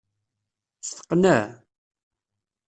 Steqneε!